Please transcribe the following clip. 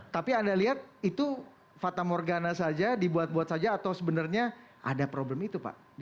tapi anda lihat itu fata morgana saja dibuat buat saja atau sebenarnya ada problem itu pak